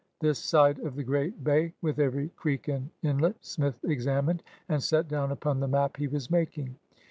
This side of the great bay, with every creek and inlet. Smith examined and set down upon the map he was making.